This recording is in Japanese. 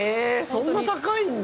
そんな高いんだ！